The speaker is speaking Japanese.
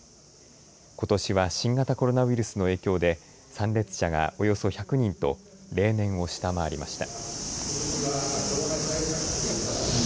ことしは新型コロナウイルスの影響で参列者がおよそ１００人と例年を下回りました。